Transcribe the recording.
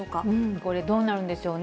これ、どうなるんでしょうね。